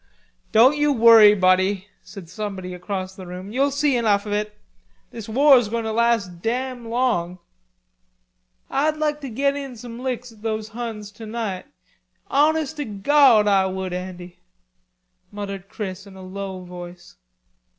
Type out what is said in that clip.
"Don't you worry, buddy," said somebody across the room. "You'll see enough of it. This war's going to last damn long...." "Ah'd lak to get in some licks at those Huns tonight; honest to Gawd Ah would, Andy," muttered Chris in a low voice.